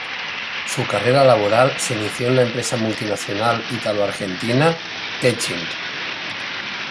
Su carrera laboral se inició en la empresa multinacional Italo-Argentina Techint.